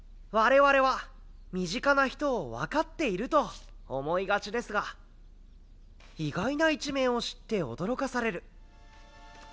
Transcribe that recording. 我々は身近な人を分かっていると思いがちですが意外な一面を知って驚かされる。